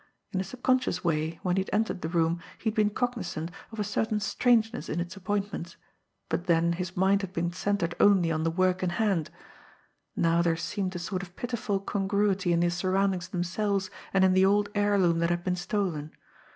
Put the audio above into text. In a subconscious way, when he had entered the room, he had been cognisant of a certain strangeness in its appointments, but then his mind had been centred only on the work in hand; now there seemed a sort of pitiful congruity in the surroundings themselves and in the old heirloom that had been stolen.